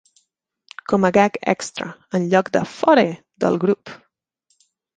Com a gag extra, en lloc de Fore! del grup